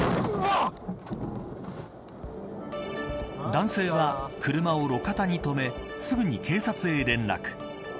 男性は、車を路肩に止めすぐに警察へ連絡。